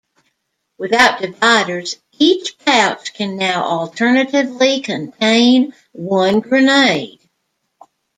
Without dividers, each pouch can now alternatively contain one grenade.